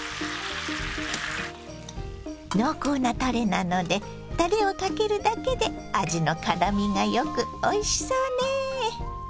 濃厚なたれなのでたれをかけるだけで味のからみが良くおいしそうね。